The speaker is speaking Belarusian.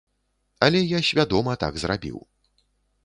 Але я свядома так зрабіў.